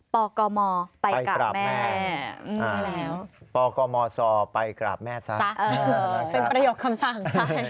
กกมไปกราบแม่แล้วปกมซไปกราบแม่ซะเป็นประโยคคำสั่งซะ